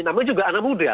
namanya juga anak muda